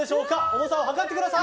重さを量ってください。